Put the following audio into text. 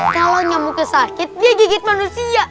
kalau nyamuknya sakit dia gigit manusia